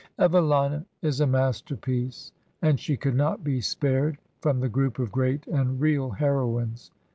Evehna is a masterpiece, and she could not be spared from the group of great and real heroines.